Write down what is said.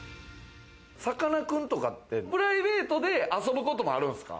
さかなクンとかってプライベートで遊ぶこともあるんすか？